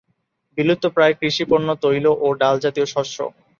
বিলুপ্তপ্রায় কৃষিপণ্য তৈল ও ডাল জাতীয় শস্য।